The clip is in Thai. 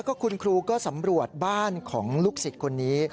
คุณครูก็สัมรวจบ้านของลูกสิ่งคนนี้